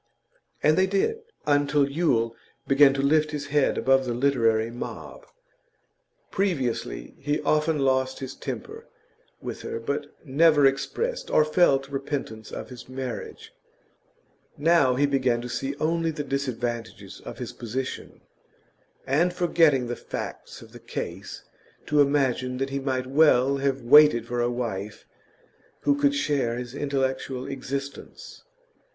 And they did, until Yule began to lift his head above the literary mob. Previously, he often lost his temper with her, but never expressed or felt repentance of his marriage; now he began to see only the disadvantages of his position, and, forgetting the facts of the case, to imagine that he might well have waited for a wife who could share his intellectual existence.